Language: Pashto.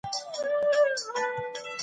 د ظاهري ښکلا پر ځای باطني ښکلا مهمه ده.